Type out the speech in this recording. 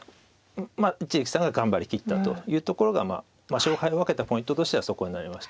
一力さんが頑張りきったというところが勝敗を分けたポイントとしてはそこになりましたか。